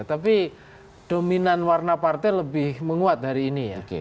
tapi dominan warna partai lebih menguat hari ini ya